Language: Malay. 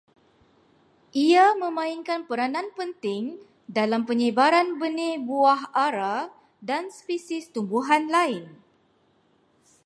Ia memainkan peranan penting dalam penyebaran benih buah ara dan spesies tumbuhan lain